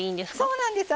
そうなんです。